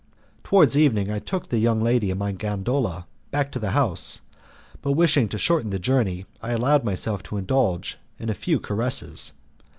Towards evening I took the young lady in my gondola back to the house, but wishing to shorten the journey I allowed myself to indulge in a few caresses.